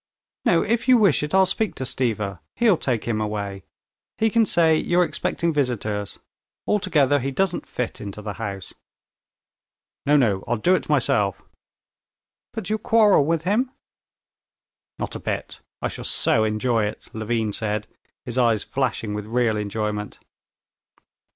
"No, if you wish it, I'll speak to Stiva. He'll take him away. He can say you're expecting visitors. Altogether he doesn't fit into the house." "No, no, I'll do it myself." "But you'll quarrel with him?" "Not a bit. I shall so enjoy it," Levin said, his eyes flashing with real enjoyment.